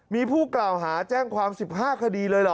มีผู้กล่าวหาแจ้งความ๑๕คดีเลยเหรอ